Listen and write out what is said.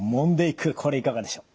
これいかがでしょう？